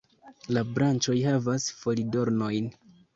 La branĉoj havas folidornojn.